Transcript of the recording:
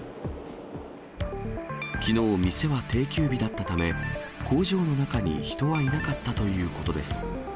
きのう、店は定休日だったため、工場の中に人はいなかったということです。